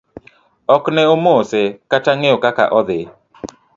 Ok ne omose kata ng'eyo kaka odhi.